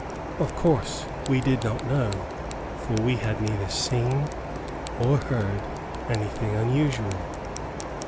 Of course we did not know, for we had neither seen or heard anything unusual.